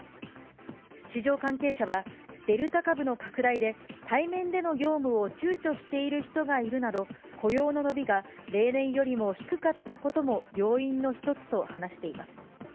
市場関係者は、デルタ株の拡大で、対面での業務をちゅうちょしている人がいるなど、雇用の伸びが例年よりも低かったことも要因の一つと話しています。